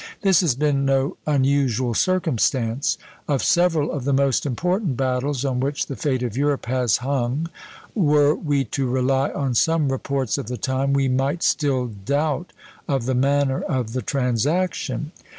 This has been no unusual circumstance; of several of the most important battles on which the fate of Europe has hung, were we to rely on some reports of the time, we might still doubt of the manner of the transaction.